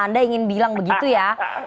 anda ingin bilang begitu ya